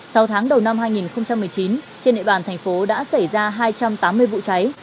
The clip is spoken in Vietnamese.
sau tháng đầu năm hai nghìn một mươi chín trên địa bàn thành phố đã xảy ra hai trăm tám mươi vụ cháy